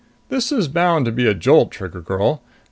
This is bound to be a jolt, Trigger girl.